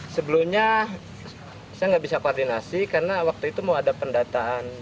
sebelumnya saya nggak bisa koordinasi karena waktu itu mau ada pendataan